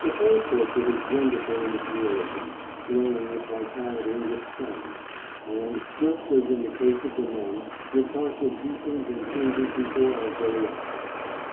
The whole portrait is wonderful in its realism, glowing with vitality and with charm, and, just as in the case of the men, Natasha deepens and changes before our very eyes.